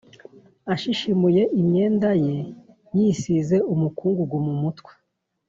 ashishimuye imyenda ye, yisīze umukungugu mu mutwe